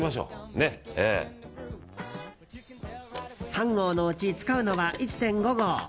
３合のうち使うのは１．５合。